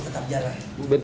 kami tetap jarang